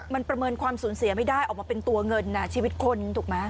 มันประเมินความสูญเสียไม่ได้ออกมาเป็นตัวเงินชีวิตคนถูกไหม